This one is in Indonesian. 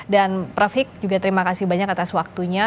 dan prof hik juga terima kasih banyak atas waktunya